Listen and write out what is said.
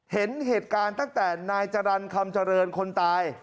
เห็นเหตุการณ์ตั้งแต่นายจรรย์คำเจริญคนตาย